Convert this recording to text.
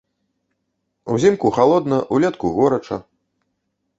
Узімку халодна, улетку горача.